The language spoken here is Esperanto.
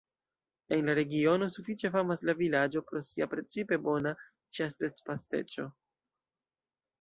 En la regiono sufiĉe famas la vilaĝo pro sia precipe bona ĉasbest-pasteĉo.